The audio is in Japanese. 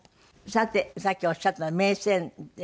さてさっきおっしゃった銘仙って。